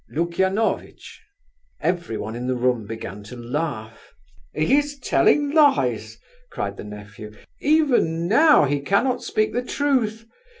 "Lukianovitch." Everyone in the room began to laugh. "He is telling lies!" cried the nephew. "Even now he cannot speak the truth.